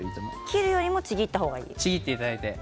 切るよりもちぎった方がいいんですね。